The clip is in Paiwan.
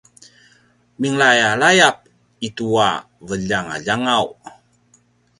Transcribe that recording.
minglayalayap itua veljangaljangaw